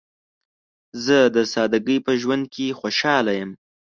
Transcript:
زه د سادګۍ په ژوند کې خوشحاله یم.